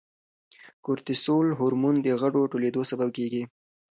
کورتیسول هورمون د غوړو ټولېدو سبب کیږي.